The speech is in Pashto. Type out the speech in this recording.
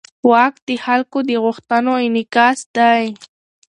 واک د خلکو د غوښتنو انعکاس دی.